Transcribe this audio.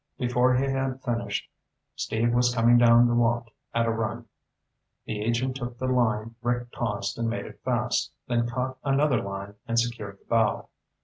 Before he had finished, Steve was coming down the walk at a run. The agent took the line Rick tossed and made it fast, then caught another line and secured the bow.